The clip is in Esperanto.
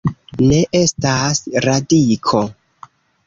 Ne estas radiko.